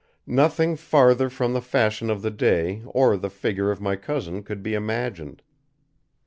Nothing farther from the fashion of the day or the figure of my cousin could be imagined.